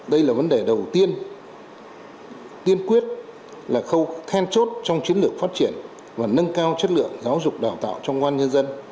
đây là vấn đề đầu tiên tiên quyết là khâu then chốt trong chiến lược phát triển và nâng cao chất lượng giáo dục đào tạo trong công an nhân dân